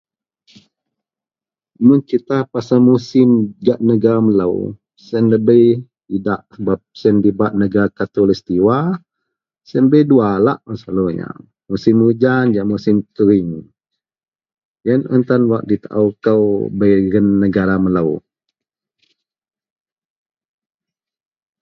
Mun cerita pasal musim gak negara melo sien debai idak sebab sien dibak negara khatulistiwa bei dua sebenarnya musim hujan dan musim kering yian un tan bei dagen negara melo.